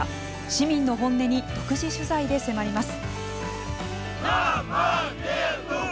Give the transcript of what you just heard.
市民の本音に独自取材で迫ります。